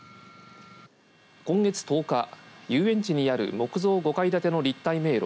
今月１０日遊園地にある木造５階建ての立体迷路